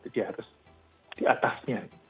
dia harus di atasnya